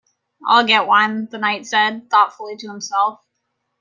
‘I’ll get one,’ the Knight said thoughtfully to himself.